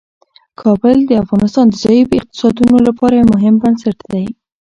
کابل د افغانستان د ځایي اقتصادونو لپاره یو مهم بنسټ دی.